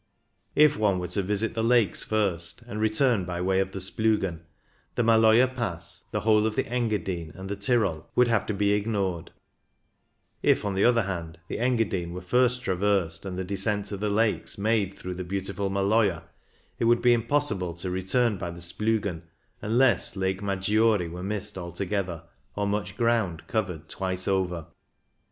If one were to visit the lakes first and return by way of the SplUgen, the Maloja Pass, the whole of the Engadine, and the Tyrol would have to be ignored ; if, on the other hand, the Engadine were first traversed, and the descent to the lakes made through the beautiful Maloja, it would be impossible, to return by the Splugen unless Lake Maggiore were missed altogether or much ground covered twice over.